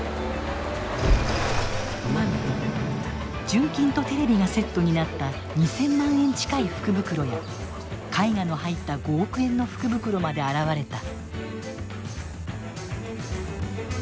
純金とテレビがセットになった２，０００万円近い福袋や絵画の入った５億円の福袋まで現れた。